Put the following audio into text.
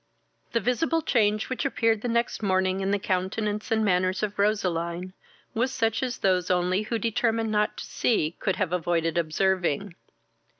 The visible change, which appeared the next morning in the countenance and manners of Roseline, was such as those only who determined not to see could have avoided observing.